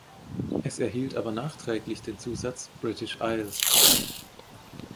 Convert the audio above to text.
Es erhielt aber nachträglich den Zusatz „British Isles“.